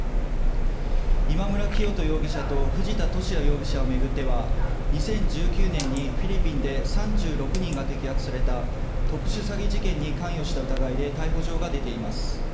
今村磨人容疑者と藤田聖也容疑者を巡っては、２０１９年にフィリピンで３６人が摘発された、特殊詐欺事件に関与した疑いで逮捕状が出ています。